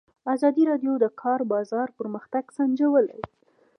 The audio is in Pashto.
ازادي راډیو د د کار بازار پرمختګ سنجولی.